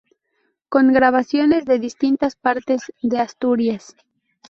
Con grabaciones de distintas partes de Asturias.